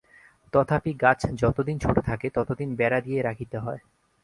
তথাপি গাছ যতদিন ছোট থাকে, ততদিন বেড়া দিয়া রাখিতে হয়।